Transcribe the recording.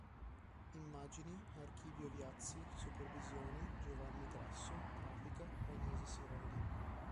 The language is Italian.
Immagini: Archivio Viazzi, Supervisione: Giovanni Grasso, Grafica: Agnese Sironi.